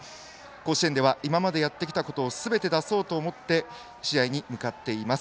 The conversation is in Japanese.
甲子園では今までやってきたことをすべて出そうと思って試合に向かっています。